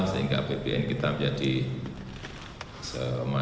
sehingga rpjmn kita menjadi semakin berkembang